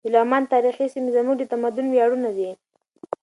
د لغمان تاریخي سیمې زموږ د تمدن ویاړونه دي.